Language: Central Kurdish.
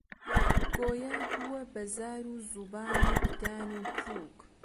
گۆیا بووە بە زار و زوبان و ددان و پووک: